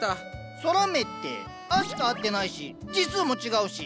空目って「ア」しか合ってないし字数も違うし。